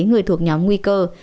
người thuộc nhóm nguy cơ